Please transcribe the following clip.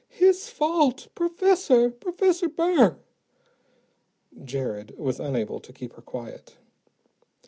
His fault. Professor! Professor Burr!" Jared was unable to keep her quiet.